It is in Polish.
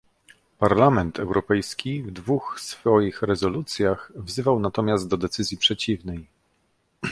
Parlament Europejski w dwóch swoich rezolucjach wzywał natomiast do decyzji przeciwnej